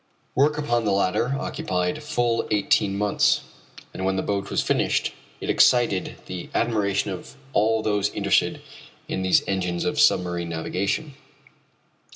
Work upon the latter occupied fully eighteen months, and when the boat was finished it excited the admiration of all those interested in these engines of submarine navigation.